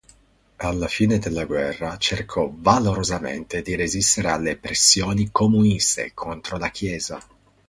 Alla fine della guerra cercò valorosamente di resistere alle pressioni comuniste contro la Chiesa.